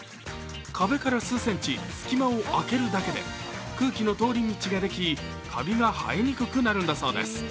壁から数センチ隙間を空けるだけで空気の通り道ができ、カビが生えにくくなるんだそうです。